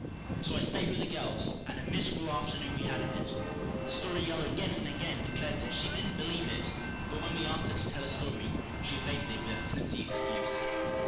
'" So I stayed with the girls, and a miserable afternoon we had of it. The Story Girl again and again declared that she "didn't believe it," but when we asked her to tell a story, she evaded it with a flimsy excuse.